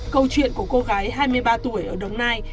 câu chuyện của cô gái hai mươi ba tuổi ở đồng nai